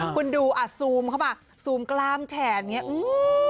คุณดูอ่ะซูมเข้ามาซูมกล้ามแขนอย่างเงี้อืม